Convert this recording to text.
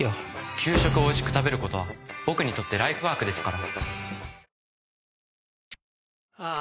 給食をおいしく食べる事は僕にとってライフワークですから。